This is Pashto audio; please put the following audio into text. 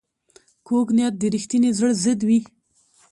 کوږ نیت د رښتیني زړه ضد وي